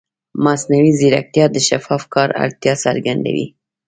مصنوعي ځیرکتیا د شفاف کار اړتیا څرګندوي.